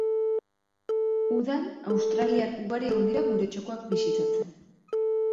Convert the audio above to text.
Udan australiar ugari egon dira gure txokoak bisitatzen.